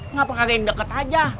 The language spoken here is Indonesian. ngapain deket aja